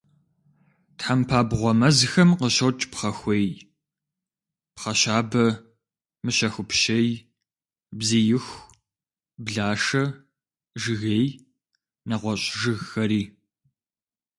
Тхьэмпабгъуэ мэзхэм къыщокӀ пхъэхуей, пхъэщабэ, мыщэхупщей, бзииху, блашэ, жыгей, нэгъуэщӀ жыгхэри.